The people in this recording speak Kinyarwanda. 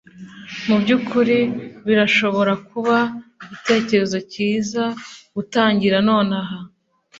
Mubyukuri birashobora kuba igitekerezo cyiza gutangira nonaha.